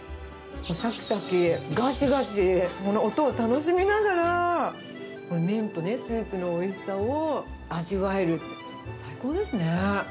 しゃきしゃき、がしがし、この音を楽しみながら、麺とスープのおいしさを味わえる、最高ですね。